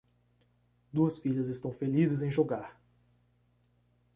Duas filhas estão felizes em jogar